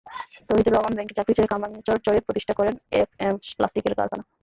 তৌহিদুর রহমান ব্যাংকের চাকরি ছেড়ে কামরাঙ্গীরচর চরে প্রতিষ্ঠা করেন এফএম প্লাস্টিকের কারখানা।